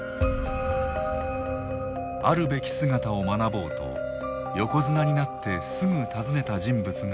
あるべき姿を学ぼうと横綱になってすぐ訪ねた人物がいる。